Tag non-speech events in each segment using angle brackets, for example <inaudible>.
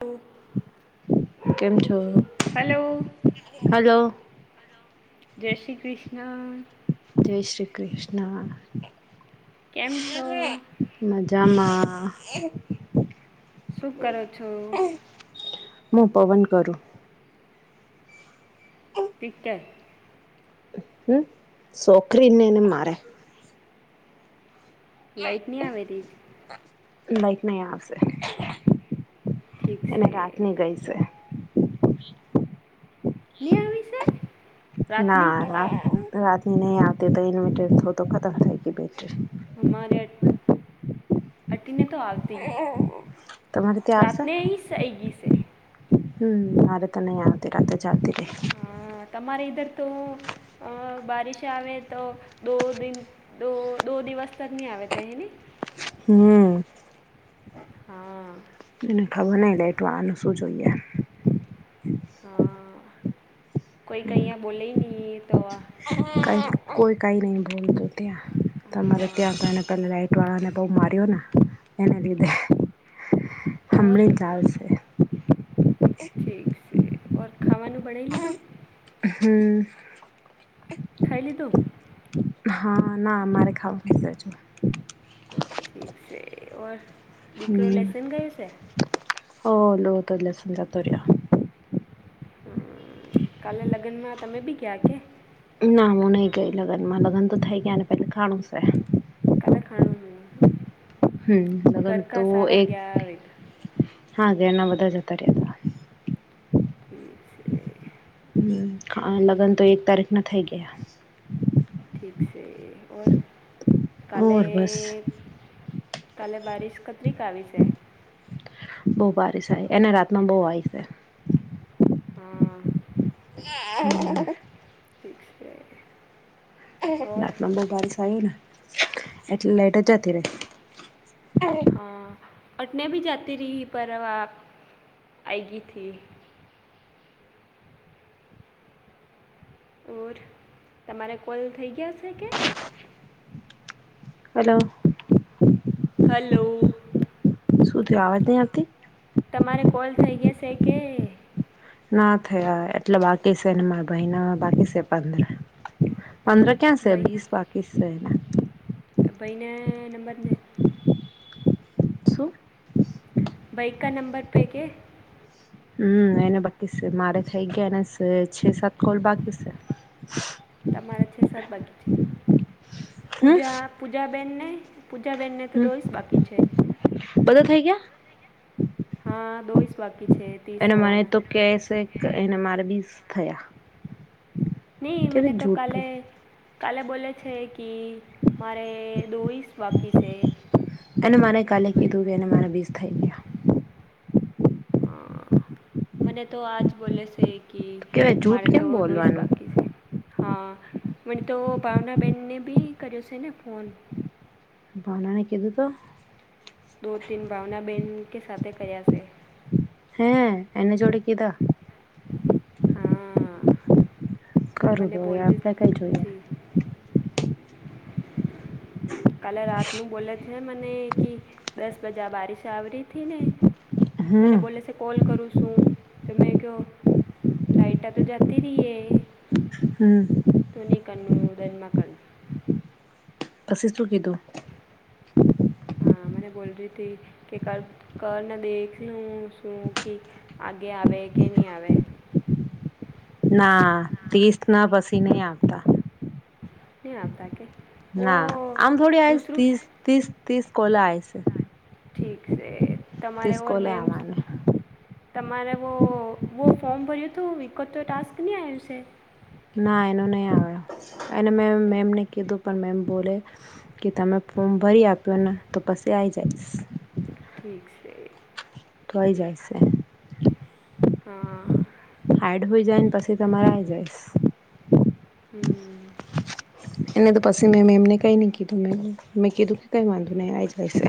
ઓ કેમ છો? હલો જય શ્રી કૃષ્ણ. જય શ્રી કૃષ્ણ. કેમ છો? મજામાં શું કરો છો? મુું પવન કરું. પિક્ચર હમ છોકરીને એને મારે લાઈટ નહી આવે ત લાઈક નહી આવશે. ઠીક એને છે. રાત ની ગઈ છે. નિ યાવશે ના રાત રાતની નહી આવતી તો ઇન્વેર્ટર થ તો ખતમ થાય ગ બેટરી હમારે ટ અટીને તો આવતી તમારે ત્યાં આવશે રાતને અહીઈ ગઈ છે. હમ મારે તને આવતીરાત જાતીરે તમારે ઇધર તો અ બારિશ આવે તો દો દિન દો દો દિવસ તક નહી આવે તે હેન હમ હા એને ખબર નહીં લેટવાનું શું જોઈએ. હા કોઈ કંયા બોલે નહી તો આ ક કોઈ કઈ નઈ બોલત ત્યાં તમારે ત્યાં કારને પે લાઈટ વાળા ને બહુ માર્યો ને એને લીધે હમળ જાલ ઠીક છે ઓર, ખાવાનું બનાઈ લીધું. હમ ખાય લીતું હા ના, મારે હજુ ખાવું છે. ઠીક છે, ઓર દીકરો લેસન ગયું છે. ઓ લો લો, તો લસ જાતો રહ્યા. હમ, કાલે લગ્નમાં તમે બી ગયા કે? ના, હું નઈ ગઈ લગ્ન માં. લગન તો થઈ ગયા ને, પણ ખાવાનું છે. કાલ ખાણું હોય, હ. હમ, લગન તો એક વેત હા ઘેરના બધા જ હતા રહ્યા હતા. ઉ છે. <unintelligible> હ, અને લગ્ન તો એક તારીખ ના થઈ ગયા. ઠીક છે, ઓર કાલે ઓર બસ કાલે બારિશ કટરીક આવી છે. બહ બારીસાય એને રાતમાં બહુ આવીય હંઅંઅ <inaudible> ઠીક છે. ઓર રાતના બવ બારીસ આયી ને એટલે લાઇટો જતી રે હ અટને ભી જતી રહી પર આપ આયગીથી ઓર તમારે કોલ થઈ ગયા છે કે હલો હલો શું ત આવાજ નઈ આપતી તમારે કોલ થઈ ગયા સેકે ના થયા એટલે બાકી છેને મારા ભાઈ ના બાકી છે પંદર પંદર ક્યાં સે ભાઈ બીસ બાકીસ છે આ ભાઈ ને નંબર દે શું બાઇક કા નંબર પેકે હમ્મ એને બાકી સે મારે થઈ ગયા એને સે છે સાત કોલ બાકી સે તમારા છ સાત બાકી છે હમ પૂજા પૂજાબેનને પૂજાબેનને તો હમ દોઈસ બાકી છે બધા થઈ ગયા? હા દોઇસ બાકી છે તીસ એને હોવા મને મેં તો કે શે કે એને મારા બીસ થયા ની મને કેવી તો કાલે જૂઠું કાલે બોલે છે કે મારે દોવીશ બાકી છે એને મને કાલે કીધું કે એને મારા બીસ થઈ ગયા હ મને તો આજ બોલે છે. કે કેવાય મારે જૂઠ કેમ તો દોહીષ બોલવાનું બાકી છે હા મ તો ભાવના બહેનને બી કર્યો છે ને ફોન ભાવનાને કીધું તો દો તીન ભાવના બહેન કે સાથે કયા છે હે એની જોડે કીધા હા કરું મને તો બોલ આપડે કઈ જોઈએ થી કાલે રાતનું બોલે છે મને કે દસ બજા બારિશ આવરી હતી ને મને હમ બોલે છે કોલ કરું સુ તમે ક્યો લાઇટા તો જતી રઈ હે હમ્મ <unintelligible> પસી શું કીધુ હા મને બોલ રી થી કે કર કરને દેખલું શું કે આગે આવે કે ની આવે ના તીસના પસી નઈ આવતા ની આવતા કે વો ના આમ થોડી આઇસ દૂસરું તીસ તીસ તીસ કોલા આય સે ઠીક સે તમારે ઓવર કોલે મેમ્સ આવવાને તમારે વો વો ફોર્મ ભર્યું તું <unintelligible> તો ટાસ્ક નઈ આવ્યું સે ના એનો નઈ આવે એને મેં મેમને કીધું પન મેમ બોલે કે તમે ફોર્મ ભરી આપ્યુ ને તો પસી આઈ જાય ઠીક સે થઈ જાય સે હા. હેડ હોઈ જાય ને પછી તમારે આઈ જાય. હમ. એને તો પછી મે એમને કઈ નઈ કીધું. મે કીધું કે કઈ વાંધુ ન આ જાય છે.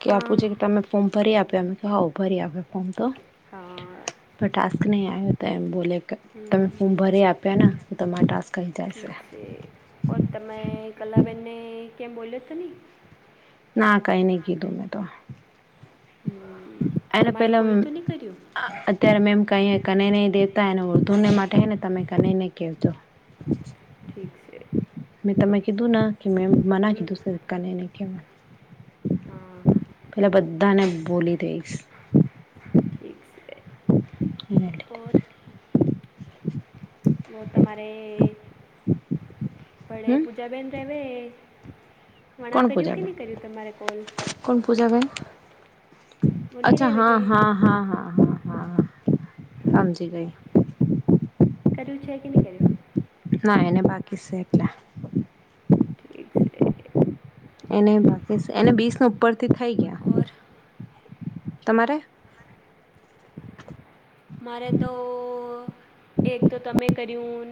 કે આપું છે કે તમે હા ફોર્મ ભરી આપ્યા કે હજી ભરી આપ્યા ફોર્મ તો? હા. પણ ટાસ્ક નહી આવ્યો તો એમ બોલે કે તમે હમ ફોર્મ ભરી આપ્યા ને, તમારે ટાસ્ક કઈ ઠીક જશે છે, ઓ તમે કલાબેનને કેમ બોલ્યો હતો ને. ના, કંઈ ન કીધું મેં તો હમ એને તમારે પેલા. કોલ તો નહીં કર્યું અત્યારે મેમ કઈને નહી દેવતાને ઉર્ધુને માટે ને તમે કને નને કજો. હ. ઠીક છે. મેં તમે કીધું નાને કે મે મના કીધું, હમ સર. કને કેવાનું હા પેલા બધાને બોલી દઈશ. ઠીક છે, એના લીધે ઓર. બ તમારે ભડે હમ પૂજાબેન રહેવે. વણા કોણ કર્યું કે પૂજા? નહીં કર્યું તમારે કોલ કોણ પૂજા, ભાઈ? વો નહીં અચ્છા, રહેવે હા કે હા હા હા હા હા હ, સમજી ગઈ. કર્યું છે કે નહી કર્યું? ના, એને બાકી. ઠીક છે. એને બાકી એને બીસ ન ઉપર થી થઈ ગયા. ઓર. તમારે? મારે તો એક તો તમે કર્યું.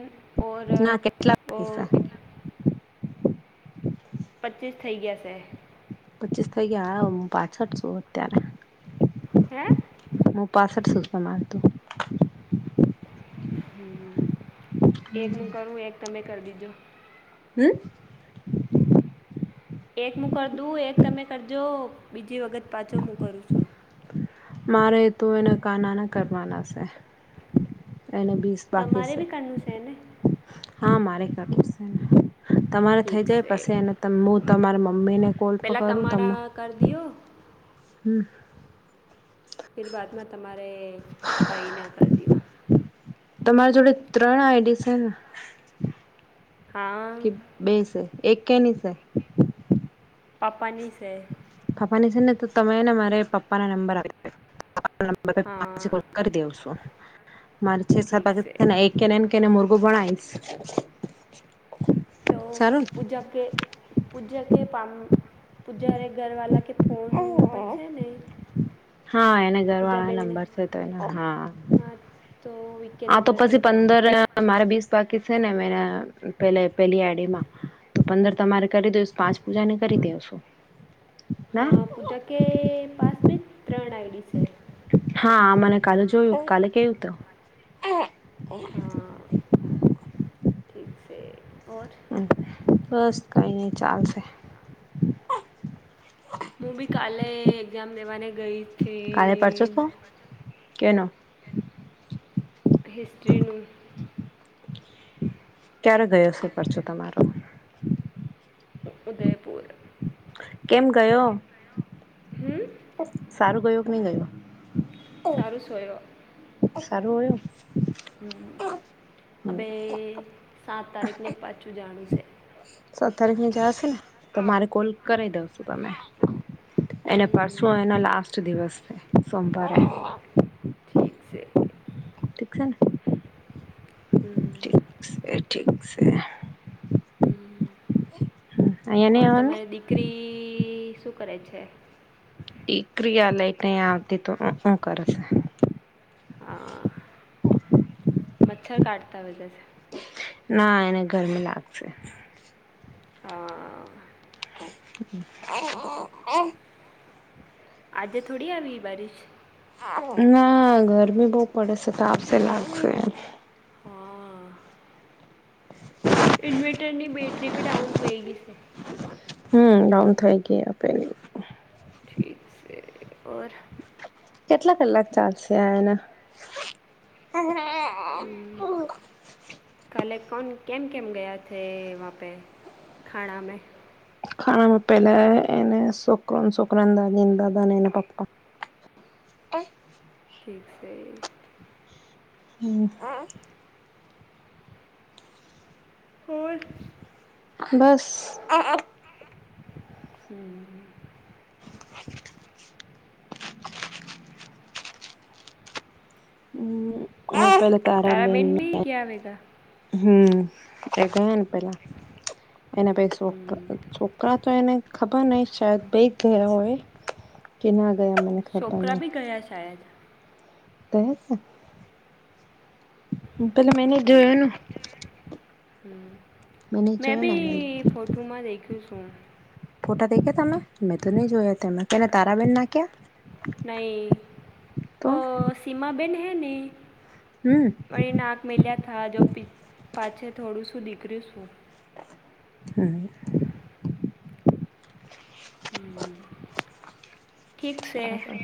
ઓર ના કેટલા ઓ. બાકી છે પચીસ થઈ ગયાશે. પચીસ થઈ ગયા, પાછળ છું અત્યારે. છે હે હું પાસઠ સુધી મારતો. હ, એક નું કરું, એક તમે કરી દેજો. હમ. હ, એક નું કરું, એક તમે કર જો, બીજી વખત હું પાછો કરું. મારે તો એને કા નાના કરવાના છે એને બી. તમારે બી કરનું છે ને? હા, મારે કરવું છે. તમારે ઠીક થઈ જાય છે પછી. હું તમારા મમ્મી ને. કોલ પર પેલાં કરું તમે તમારા કરી લો. હમ. ફરી બાદમાં તમારે ભઈ ના કરી દવા. તમારી જોડે ત્રણ આઈડીસ ને. હા. કે બે છે એક કેની છે. પાપની છે. પપ્પા ની છે ને તો તમે ને મારે પપ્પા ના નંબર આપ. હા કરી દઉ છું મારે છે સા ઠીક છે પાસ્તા એક. કેનેને કેને મુર્ગું બણાયશ. તો પૂજા કે પૂજા કે પા પૂજા ર ઘરવાા કે. ફોન નંબર છે ને. હા એના ઘર વાળા પૂજાબેનને નંબર છે તો એના હા. હા તો વીકે આા તો નંબર પે પછી કરી દો પંદર. મારે બીસ બાકી છે ને પે પેલી આડીમાં તો પંદર તમારે કરી દઈશ પાંચ પૂજા ને કરી દેેશો હા પૂજા કે પાસ બ ત્રણ આઈડી છે હા મને કાલે જોયું કાલે કેયું તો હા ઠીક છે ઓર બસ કંઈ નહી ચાલશે હું બી કાલે એક્ઝામ લેવાને ગઈ હતી કાલે પડસો શું કેનો હિસ્ટ્રીનું ક્યારે ગયો છે પરચો તમારો ઉદયપુર કેમ ગયો હમ સારું ગયું કે નઈ ગયો સારું સોરો સારું હોયું બે સાત તારીખને પાછું જાણું છે સાત તારીખ ને જશે ને તો મારે કોલ કરી દઉસું તમે એના પરસો હમ એના લાસ્ટ દિવસ છે સોમવારે ઠીક છે ઠીક છે ને ઠીક હમ છે ઠીક છે હમ અહીંયા ઓર નહી આવવાનું તમારી દીકરી શું કરે છે ીકરીિયા લઈટ અહીયા આવતી તો શું કર છે <unintelligible> હા મચ્છર કાઢતા વગે છે ના એને ગરમ લાગશે હા હ હ હ આજે થોડી આવી બારીશ ના ગરમી બહુ પડેશે તો આપશે લાગશે હા હ ઇવેટરની બ બેટરી ડાઉન પય ગઈ છે હમ ડાઉન થઈ ગયા આપેલી <unintelligible> ઠીક છે કેટલા કલાક ચાલશે આ એના હમ કાલે કોન કેમ કેમ ગયા થે વં પે ખાડા મેં ખાનામાં પહેલા એને સુકર સુકરાન દાદીને દાદા અનેને એને પાપા ઠીક છે એ હમ હા હોર બસ હમ હમલ ત આરા બેની <unintelligible> હમ એ ગયા ને પેલા એના પ છોકરા તો એને ખબર નહ શાયદ બેૈ જ ગયા હોય કે ના ગયા મને ખબર છોકરા બ ગયા શાયદ ત છે <inaudible> પેલા મેને હલો જોયો ને હમ મેને મેં જોયો ને બી એ ફોટા દેખ્યા તમે મેં તો નહી જોયા તેમ કેને તારાબેન ના ક્યાં નહી ઓ સીમા બેેન હૈ ને હમ પણ નાક મિલ્યા થા જો પી પાછ થોડું શું દીકરું શું હમ <inaudible> હમ સારું